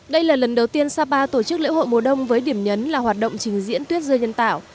đây là lần đầu tiên sapa tổ chức lễ hội mùa đông với điểm nhấn là hoạt động trình diễn tuyết rơi nhân tạo